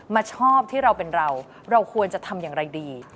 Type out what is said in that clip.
มาชอบที่เราเป็นเราเราควรจะทำอย่างไรดี